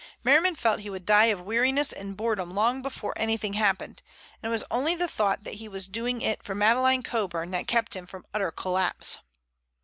Merriman felt he would die of weariness and boredom long before anything happened, and it was only the thought that he was doing it for Madeleine Coburn that kept him from utter collapse.